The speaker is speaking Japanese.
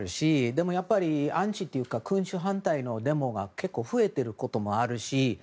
でも、やっぱりアンチというか君主反対のデモが増えているということもあるし